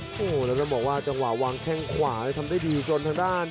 โอ้โหแล้วต้องบอกว่าจังหวะวางแข้งขวาทำได้ดีจนทางด้าน